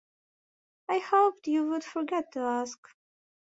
I hoped you would forget to ask.